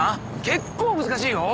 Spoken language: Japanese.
結構難しいよ。